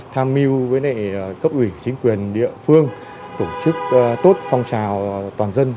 tham mưu với cấp ủy chính quyền địa phương tổ chức tốt phong trào toàn dân